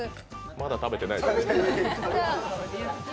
まだ食べてない。